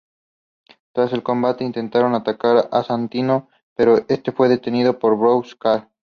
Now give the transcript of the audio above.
Tras el combate intentaron atacar a Santino, pero este fue defendido por Brodus Clay.